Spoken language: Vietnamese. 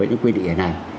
những quy địa này